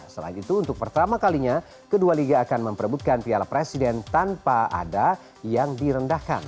selain itu untuk pertama kalinya kedua liga akan memperebutkan piala presiden tanpa ada yang direndahkan